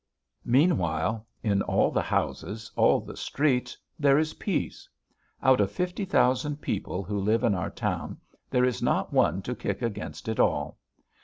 Meanwhile in all the houses, all the streets, there is peace; out of fifty thousand people who live in our town there is not one to kick against it all.